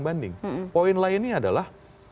berbanding poin lainnya adalah